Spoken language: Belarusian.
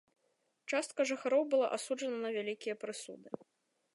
Частка жыхароў была асуджана на вялікія прысуды.